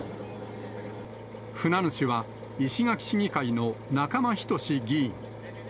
船主は、石垣市議会の仲間均議員。